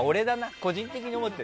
個人的に思ってる。